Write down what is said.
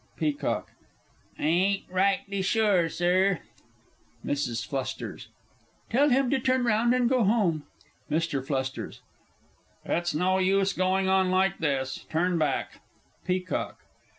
PEACOCK. I ain't rightly sure, Sir. MRS. F. Tell him to turn round, and go home. MR. F. It's no use going on like this. Turn back. PEACOCK.